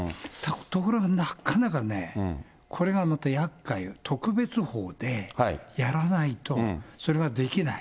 ところがなかなかね、これがまたやっかい、特別法でやらないと、それができない。